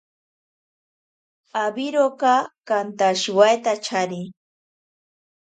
Awiroka kantashiwaitachari.